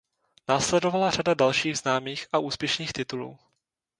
Následovala řada dalších známých a úspěšných titulů.